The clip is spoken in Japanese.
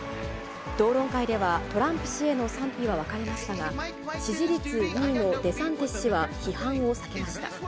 討論会ではトランプ氏への賛否は分かれましたが、支持率２位のデサンティス氏は批判を避けました。